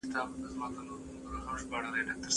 عبدالحمید مومند په خپلو شعرونو کې ډېر خیالونه لري.